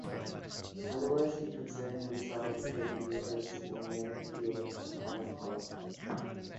Otherwise he concerned himself with the Earth's magnetic field and climatology.